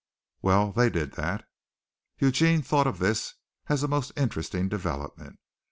"Well, they did that." Eugene thought of this as a most interesting development.